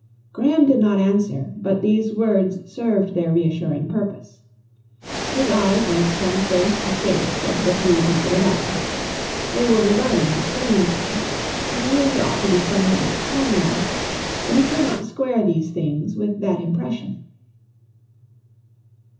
Graham did not answer, but these words served their reassuring purpose. His eyes went from face to face of the three people about him. They were regarding him strangely. He knew he ought to be somewhere in Cornwall, but he could not square these things with that impression.